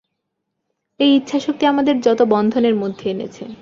এই ইচ্ছাশক্তি আমাদের যত বন্ধনের মধ্যে এনেছে।